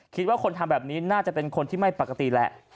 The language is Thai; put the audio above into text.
คิดว่าคนทำแบบนี้น่าจะเป็นคนที่ไม่ปกติแหละ